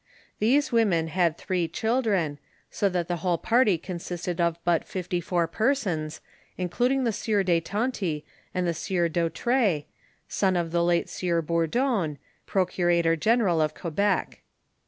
Tliese women had three children, so that the whole party consisted of but fifty four persons, including the sieur de Tonty and the sieur Dautray, son of the late sieur Bourdon, procurator gene ral of Quebec.